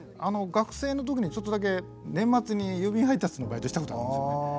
学生の時にちょっとだけ年末に郵便配達のバイトをしたことがあるんですよね。